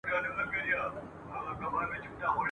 ژبه یې لمبه ده اور په زړه لري !.